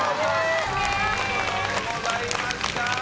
お見事でございました。